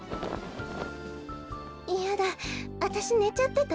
いやだあたしねちゃってた？